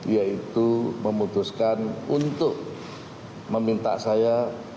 yaitu memutuskan untuk meminta saya